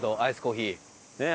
ねえ。